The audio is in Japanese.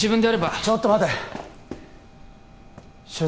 ちょっと待て手術